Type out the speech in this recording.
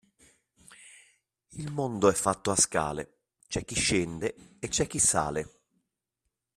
Il mondo è fatto a scale, c'è chi scende e c'è chi sale.